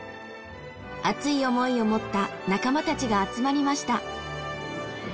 熱い思いを持った仲間たちが集まりました。